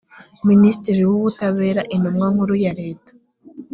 minisitiri w ubutabera intumwa nkuru ya leta